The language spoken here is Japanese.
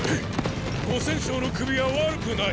五千将の首は悪くない。